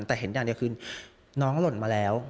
แต่เห็นอย่างเดียวคือน้องหล่นมาแล้ว